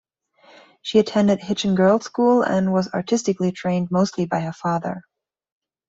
She attended Hitchin Girls School and was artistically trained mostly by her father.